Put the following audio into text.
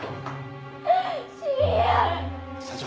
社長。